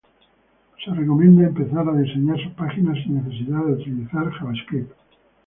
Se recomienda empezar a diseñar sus páginas sin necesidad de utilizar JavaScript.